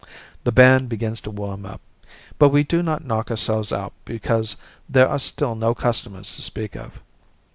The band begins to warm up, but we do not knock ourselves out because there are still no customers to speak of.